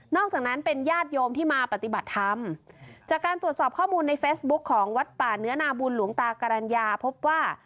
อกจากนั้นเป็นญาติโยมที่มาปฏิบัติธรรมจากการตรวจสอบข้อมูลในเฟซบุ๊คของวัดป่าเนื้อนาบุญหลวงตากรรณญาพบว่า